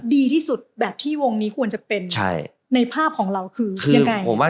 ดีที่สุดแบบที่วงนี้ควรจะเป็นในภาพของเราคือยังไง